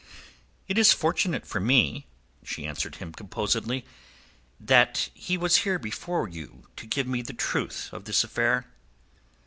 "It is fortunate for me," she answered him composedly, "that he was here before you to give me the truth of this affair."